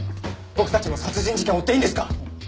僕たちも殺人事件を追っていいんですか？